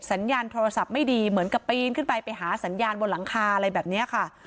สัญญาณโทรศัพท์ไม่ดีเหมือนกับปีนขึ้นไปไปหาสัญญาณบนหลังคาอะไรแบบนี้ค่ะ